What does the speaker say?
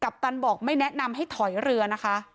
ปตันบอกไม่แนะนำให้ถอยเรือนะคะ